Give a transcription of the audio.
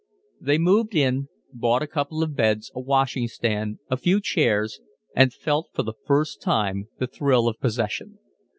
They moved in, bought a couple of beds, a washing stand, a few chairs, and felt for the first time the thrill of possession.